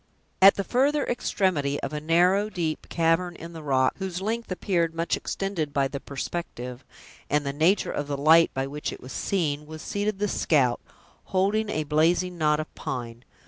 At the further extremity of a narrow, deep cavern in the rock, whose length appeared much extended by the perspective and the nature of the light by which it was seen, was seated the scout, holding a blazing knot of pine.